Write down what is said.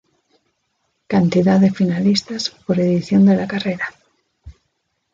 Cantidad de finalistas por edición de la carrera.